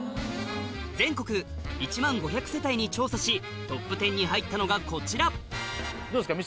全国１万５００世帯に調査しＴＯＰ１０に入ったのがこちらどうですか？